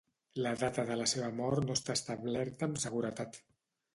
La data de la seva mort no està establerta amb seguretat.